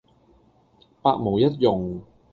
百無一用